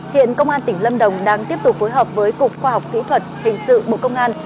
hiện công an tỉnh lâm đồng đang tiếp tục phối hợp với cục khoa học kỹ thuật hình sự bộ công an